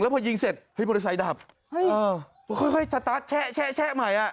แล้วพอยิงเสร็จเฮ้ยบริษัทดับค่อยสตาร์ทแชะใหม่